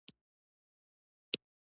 د غور تاریخ او ادب زموږ د اصلي هویت برخه ده